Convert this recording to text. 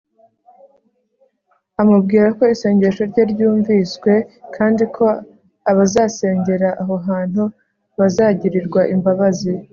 amubwira ko isengesho rye ryumviswe kandi ko abazasengera aho hantu bazagirirwa imbabazi